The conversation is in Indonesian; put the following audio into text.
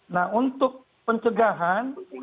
nah untuk pencegahan